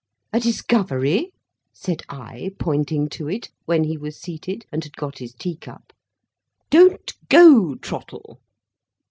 "A discovery?" said I, pointing to it, when he was seated, and had got his tea cup.—"Don't go, Trottle."